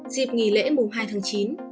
dịp nghỉ lễ mùng hai tháng chín